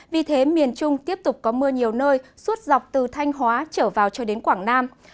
vì thế miền trung tiếp tục có mưa nhiều nơi suốt dọc từ thanh hóa trở vào cho đến quảng nam